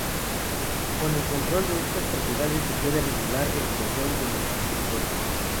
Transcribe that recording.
Con el control de estas propiedades se puede regular el grosor de los lingotes.